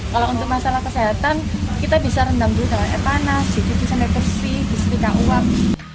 kalau untuk masalah kesehatan kita bisa rendam dulu dengan air panas dikucing kucingan bersih disetika uang